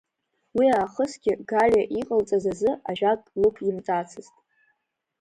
Уи аахысгьы, Галиа иҟалҵаз азы ажәак лықәимҵацызт.